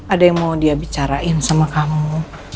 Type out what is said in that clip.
ada yang mau dia bicarain sama kamu